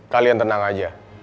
kalian tenang aja